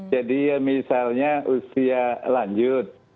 jadi misalnya usia lanjut